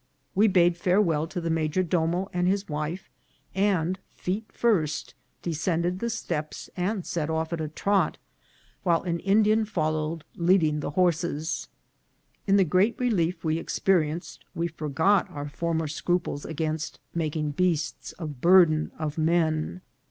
We bade farewell to the major domo and his wife, and, feet first, descended the steps and set off on a trot, while an Indian followed leading the horses. In the great relief we experienced we forgot our former scruples against making beasts of burden of men.